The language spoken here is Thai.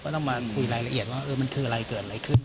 ต้องมาคุยรายละเอียดว่ามันคืออะไรเกิดอะไรขึ้น